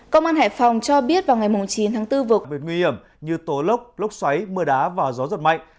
công an hải phòng cho biết vào ngày chín tháng bốn vụt bệnh nguy hiểm như tố lốc lốc xoáy mưa đá và gió giọt mạnh